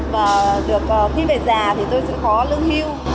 và khi về già thì tôi sẽ có nương hiu